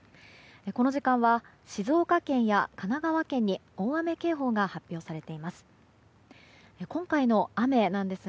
この時間は静岡県や神奈川県に大雨警報が発表されています。